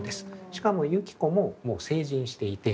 しかも雪子ももう成人していて。